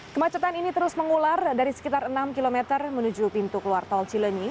kemacetan ini terus mengular dari sekitar enam km menuju pintu keluar tol cilenyi